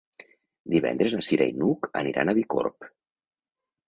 Divendres na Cira i n'Hug aniran a Bicorb.